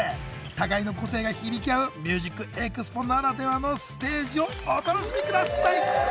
互いの個性が響き合う「ＭＵＳＩＣＥＸＰＯ」ならではのステージをお楽しみください！